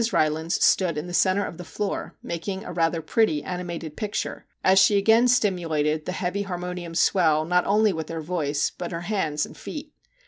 Rylands stood in the centre of the floor, making a rather pretty, animated picture, as she again stimu lated the heavy harmonium swell not only with her voice, but her hands and feet.